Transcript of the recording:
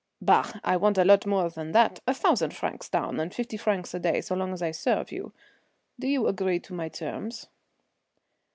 "Bah! I want a lot more than that, a thousand francs down and fifty francs a day so long as I serve you. Do you agree to my terms?"